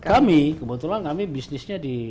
kami kebetulan kami bisnisnya di